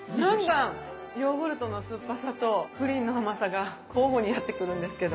ヨーグルトの酸っぱさとプリンの甘さが交互にやって来るんですけど。